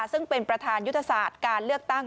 ซึ่งเป็นประธานยุทธศาสตร์การเลือกตั้ง